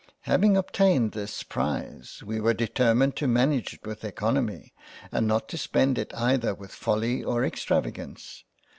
Having obtained this prize we were determined to manage it with eoconomy and not to spend it either with folly or Extravagance.